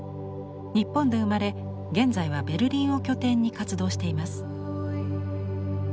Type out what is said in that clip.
日本で生まれ現在はベルリンを拠点に活動しています。